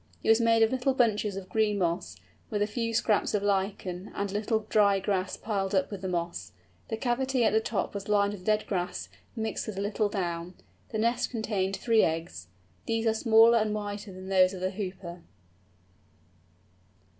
It was made of little bunches of green moss, with a few scraps of lichen, and a little dry grass pulled up with the moss. The cavity at the top was lined with dead grass, mixed with a little down. This nest contained three eggs. These are smaller and whiter than those of the Hooper.